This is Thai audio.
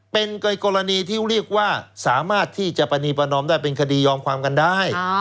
เป็นกรณีที่เรียกว่าสามารถที่จะประนีประนอมได้เป็นคดียอมความกันได้